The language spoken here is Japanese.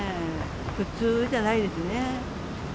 普通じゃないですね。